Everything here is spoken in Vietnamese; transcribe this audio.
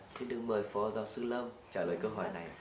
xin được mời phó giáo sư lâm trả lời câu hỏi này